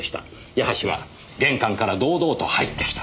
矢橋は玄関から堂々と入ってきた。